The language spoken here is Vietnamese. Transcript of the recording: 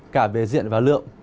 cả về diện và lượng